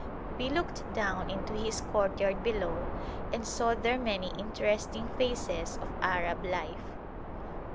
We looked down into his courtyard below and saw there many interesting phases of Arab life.